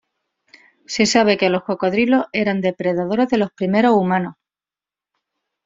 Se sabe que los cocodrilos eran depredadores de los primeros humanos.